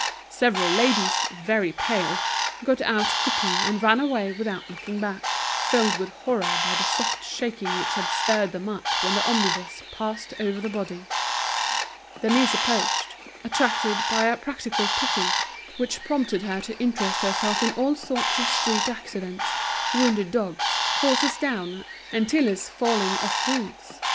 Several ladies, very pale, got out quickly, and ran away without looking back, filled with horror by the soft shaking which had stirred them up when the omnibus passed over the body. Denise approached, attracted by a practical pity, which prompted her to interest herself in all sorts of street accidents, wounded dogs, horses down, and tillers falling off roofs.